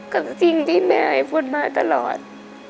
กับสิ่งที่แม่ไอ้ฝนมาตลอด